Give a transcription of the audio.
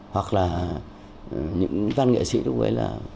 hoặc là những văn nghệ sĩ lúc ấy là